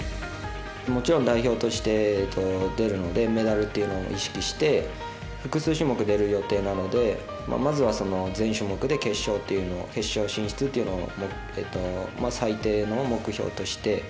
もちろん代表として出るのでメダルというのを意識して複数種目、出る予定なのでまずは全種目で決勝進出というのを最低の目標として。